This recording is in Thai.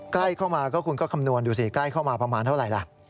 ใกล้เข้ามาก็คุณก็คำนวณดูสิใกล้เข้ามาประมาณเท่าไหร่ล่ะ